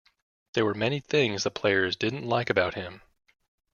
There were many things the players didn't like about him.